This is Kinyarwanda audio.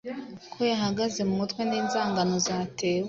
Ko yahagaze mumutwe ninzangano zatewe